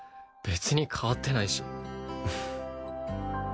別に変わってないし。